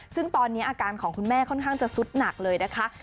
ซึ่งตอนนี้อาการของคุณแม่ค่อนข้างจะสุดหนักเลยนะคะ